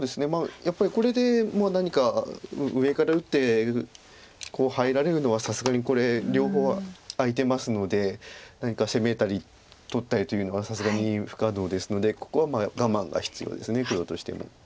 やっぱりこれで何か上から打ってこう入られるのはさすがにこれ両方空いてますので何か攻めたり取ったりというのはさすがに不可能ですのでここは我慢が必要です黒としても。